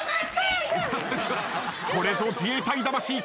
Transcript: これぞ自衛隊魂か？